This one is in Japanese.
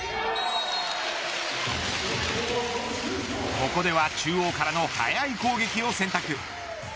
ここでは中央からの速い攻撃を選択。